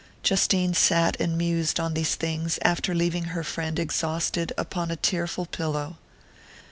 Justine sat and mused on these things after leaving her friend exhausted upon a tearful pillow.